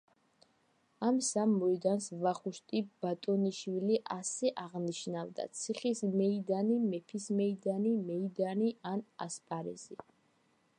ამ სამ მოედანს ვახუშტი ბატონიშვილი ასე აღნიშნავდა: „ციხის მეიდანი“, „მეფის მეიდანი“, „მეიდანი“ ან „ასპარეზი“.